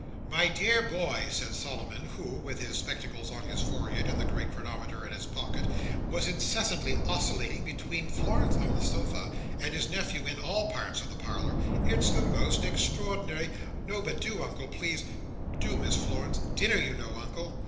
"My dear boy," said Solomon, who, with his spectacles on his forehead and the great chronometer in his pocket, was incessantly oscillating between Florence on the sofa, and his nephew in all parts of the parlour, "it's the most extraordinary—" "No, but do, Uncle, please—do, Miss Florence—dinner, you know, Uncle."